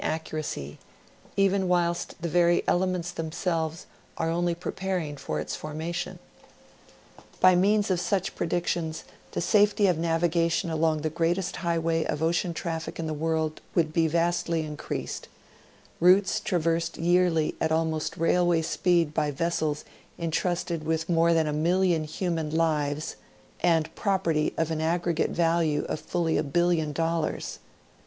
55 accuracy, even whilst the very elements themselves are only pre paring for its formation. By means of such predictions, the safety of navigation along the greatest highway of ocean traffic in the world would be vastly increased, — routes ti*aversed yearly at almost railway speed by vessels intrusted with more than a million human lives, and property of an aggregate value of fully a billion dollars.